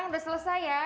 tidak ada bayar